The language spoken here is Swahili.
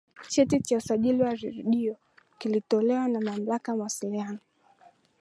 cheti cha usajili wa redio kinatolewa na mamlaka ya mawasiliano